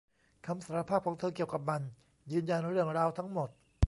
คำสารภาพของเธอเกี่ยวกับมันยืนยันเรื่องราวทั้งหมด